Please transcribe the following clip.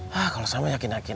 hah kalau sama yakin yakin aja toh